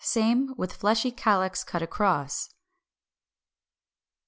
Same, with fleshy calyx cut across.